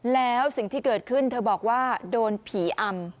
แล้วสิ่งที่เกิดขึ้นเธอบอกว่าโดนผีอำ